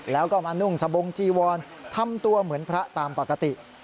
แล้วก็มานุ่งสะบงจีวรทำตัวเหมือนพระตามปกติ